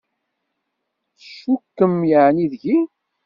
Tcukkem yeεni deg-i?